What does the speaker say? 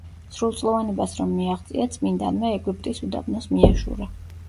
სრულწლოვანებას რომ მიაღწია, წმინდანმა ეგვიპტის უდაბნოს მიაშურა.